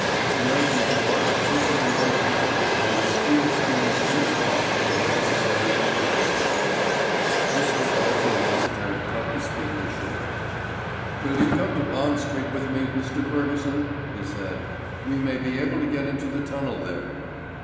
The night before, this had been located and the steel skin stripped off for the necessary repairs. Mr. Alton Rossiter cut the speaker short. "Will you come to Bond Street with me, Mr. Fergusson?" he said; "we may be able to get into the tunnel there."